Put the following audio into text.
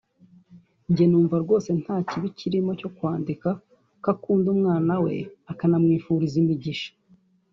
Nje numva rwose nta kibi kirimo cyo kwandika ko akumda umwana we Ã kanamwipfuriza imigisha